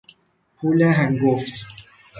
پول هنگفت